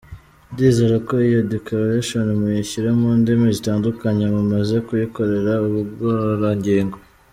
Ndizera ko iyo declaration muyishyira mundimi zitandukanye mumaze kuyikorera ubugororangingo.